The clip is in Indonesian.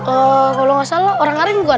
eee kalau gak salah orang ngarim bukan